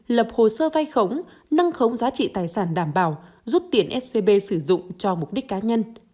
lập hồ sơ vay khống nâng khống giá trị tài sản đảm bảo rút tiền scb sử dụng cho mục đích cá nhân